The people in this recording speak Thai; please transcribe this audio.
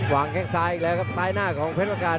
แข้งซ้ายอีกแล้วครับซ้ายหน้าของเพชรประการ